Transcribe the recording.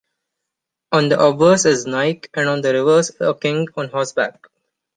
On the obverse is Nike, and on the reverse a king on horseback.